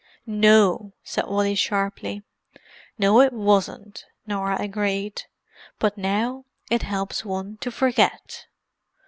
"No!" said Wally sharply. "No, it wasn't," Norah agreed. "But now—it helps one to forget."